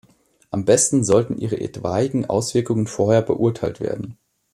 Am besten sollten ihre etwaigen Auswirkungen vorher beurteilt werden.